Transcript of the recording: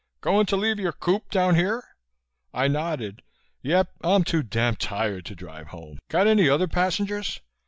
"Goin' to leave your coop down here?" I nodded. "Yep. I'm too damned tired to drive home. Got any other passengers?"